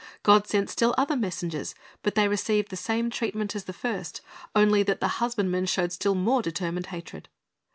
God sent still other messengers, but they received the same treatment as the first, only that the husbandmen showed still more determined hatred.